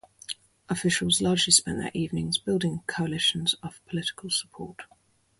Officials largely spent their evenings building coalitions of political support.